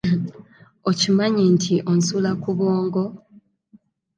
Okimanyi nti onsula ku bwongo.